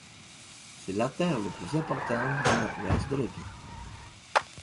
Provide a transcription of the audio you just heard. C'est l'artère la plus importante du Nord-Est de la ville.